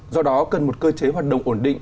do đó cần một cơ chế hoạt động ổn định